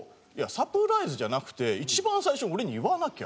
サプライズじゃなくて一番最初に俺に言わなきゃ！